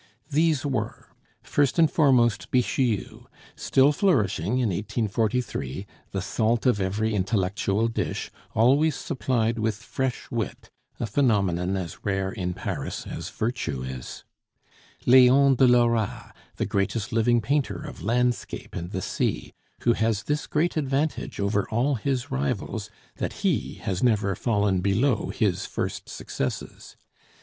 These were first and foremost Bixiou, still flourishing in 1843, the salt of every intellectual dish, always supplied with fresh wit a phenomenon as rare in Paris as virtue is; Leon de Lora, the greatest living painter of landscape and the sea who has this great advantage over all his rivals, that he has never fallen below his first successes.